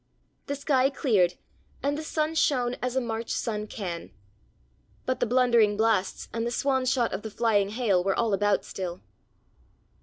The sky cleared, and the sun shone as a March sun can. But the blundering blasts and the swan shot of the flying hail were all about still.